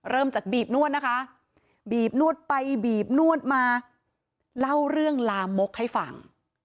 เริ่มจากบีบนวดนะคะบีบนวดไปบีบนวดมาเล่าเรื่องลามกให้ฟัง